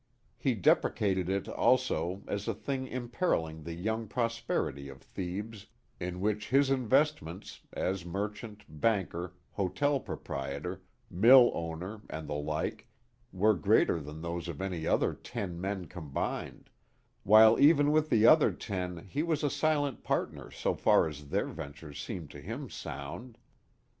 He deprecated it, also, as a thing imperilling the young prosperity of Thebes, in which his investments, as merchant, banker, hotel proprietor, mill owner and the like, were greater than those of any other ten men combined, while even with the other ten he was a silent partner so far as their ventures seemed to him sound.